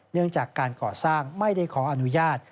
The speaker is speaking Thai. เนื่องจากการก่อสร้างไม่ได้ขออนุญาต